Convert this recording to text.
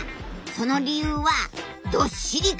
その理由はどっしり構える